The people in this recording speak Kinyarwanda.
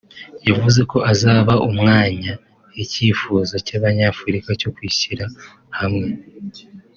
yavuze ko azaha umwanya icyifuzo cy’Abanyafurika cyo kwishyira hamwe